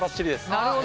なるほど。